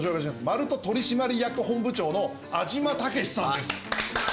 マルト取締役本部長の安島大司さんです。